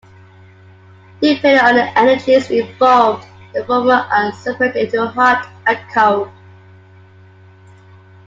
Depending on the energies involved, the former are separated into "hot" and "cold".